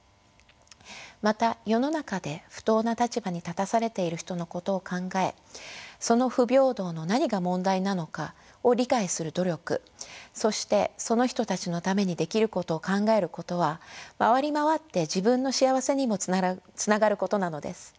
また世の中で不等な立場に立たされている人のことを考えその不平等の何が問題なのかを理解する努力そしてその人たちのためにできることを考えることは回り回って自分の幸せにもつながることなのです。